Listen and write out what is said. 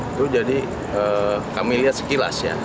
itu jadi kami lihat sekilas ya